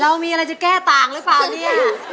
เรามีอะไรจะแก้ต่างหรือเปล่าเนี่ย